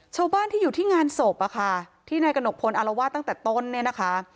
ชาวบ้านที่อยู่ที่งานศพอะค่ะที่นายกระหนกพลอารวาสตั้งแต่ต้นเนี่ยนะคะ